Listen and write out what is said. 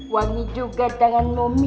wangi juga dengan momi